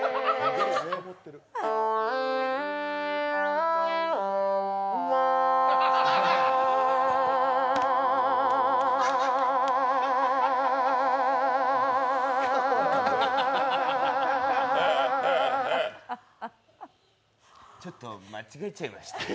贈る言葉ちょっと間違えちゃいました。